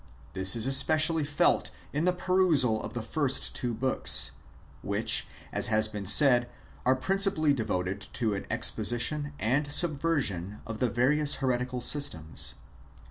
This is especially felt in the perusal of the first two books, which, as has been said, are principally devoted to an exposition and subversion of the various heretical systems.